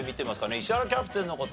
石原キャプテンの答え。